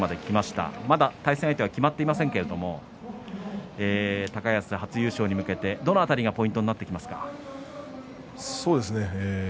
まだ対戦相手決まっていませんが高安、初優勝に向けてどの辺りがポイントですか？